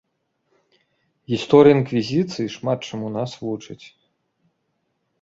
Гісторыя інквізіцыі шмат чаму нас вучыць.